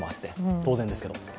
当然ですけれども。